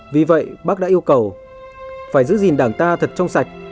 vì vậy bác đã yêu cầu phải giữ gìn đảng ta thật trong sạch